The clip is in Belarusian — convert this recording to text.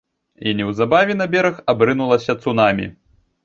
І неўзабаве на бераг абрынулася цунамі.